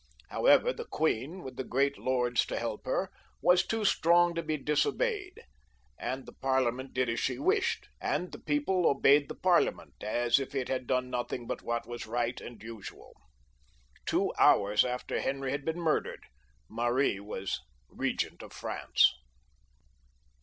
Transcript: However, the queen, with the great lords to help her, was too strong to be disobeyed, and the Parliament did as she wished, and the people XLii.] LOUIS XIIL 317 obeyed the Parliament as if it had done nothing but what was right and usual Two hours , after Henry had been murdered, Mary was Eegent of France.